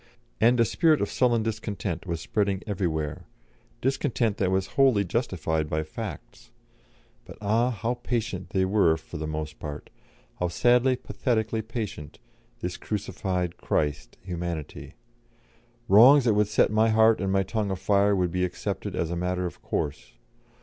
And a spirit of sullen discontent was spreading everywhere, discontent that was wholly justified by facts. But ah! how patient they were for the most part, how sadly, pathetically patient, this crucified Christ, Humanity; wrongs that would set my heart and my tongue afire would be accepted as a matter of course.